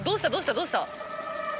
どうした？